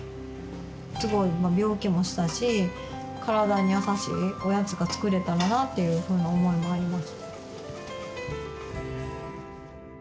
病気もしたし体に優しいおやつが作れたらなというふうな思いもあります。